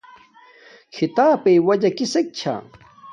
کھیتاپݵ وجہ کسک چھا